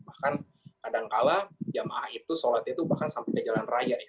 bahkan kadangkala jamaah itu sholatnya itu bahkan sampai ke jalan raya ya